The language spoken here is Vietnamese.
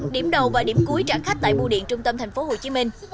điểm đầu và điểm cuối trả khách tại bu điện trung tâm thành phố hồ chí minh